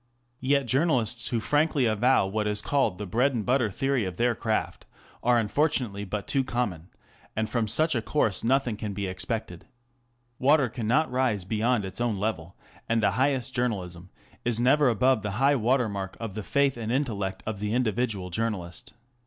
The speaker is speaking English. Yet journalists who frankly avow what is called the bread and butter theory of their craft are unfortunately but too common, and from such of course nothing can be expected. Water cannot rise beyond its own level, and the highest journalism is never above the high water mark of the faith and intellect of the individual journalist.